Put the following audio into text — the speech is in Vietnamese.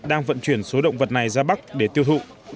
đang vận chuyển số động vật này ra bắc để tiêu thụ